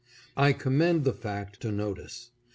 I commend the fact to notice.